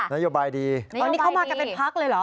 นโยบายดีตอนนี้เขามากันเป็นพักเลยเหรอ